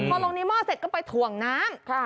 พอลงในหม้อเสร็จก็ไปถ่วงน้ำ